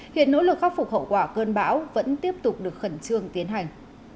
hiện nỗ lực khắc phục hậu quả cơn bão vẫn tiếp tục được khẩn trương tiến hành